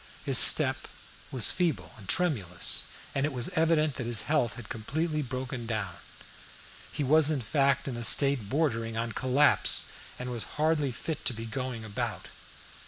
His step was feeble and tremulous, and it was evident that his health had completely broken down. He was in fact in a state bordering on collapse, and was hardly fit to be going about.